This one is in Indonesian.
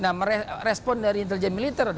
nah respon dari intelijen militer adalah